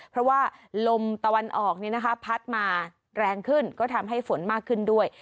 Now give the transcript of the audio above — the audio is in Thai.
เพราะว่าลมตะวันออกพัดมาแรงขึ้นก็ทำให้ฝนมากขึ้นด้วย